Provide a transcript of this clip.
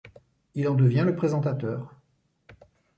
Il en devient le présentateur.